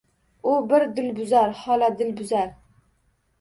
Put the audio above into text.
— U bir dilbuzar, xola, dilbuzar!